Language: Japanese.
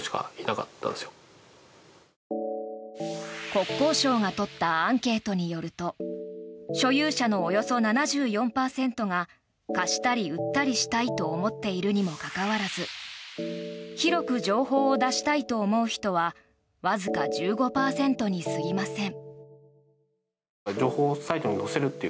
国交省が取ったアンケートによると所有者のおよそ７４％が貸したり売ったりしたいと思っているにもかかわらず広く情報を出したいと思う人はわずか１５％に過ぎません。